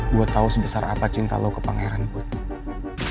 gue tahu sebesar apa cinta lo ke pangeran put